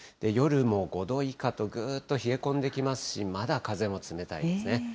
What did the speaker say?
夜も５度以下と、ぐーっと冷え込んできますし、まだ風も冷たいですね。